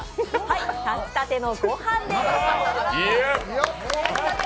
炊きたてのごはんです。